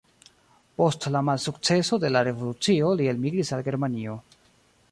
Post la malsukceso de la revolucio li elmigris al Germanio.